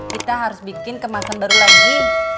kita harus bikin kemasan baru lagi